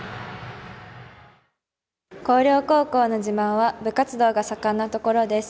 広陵高校の自慢は部活動が盛んなところです。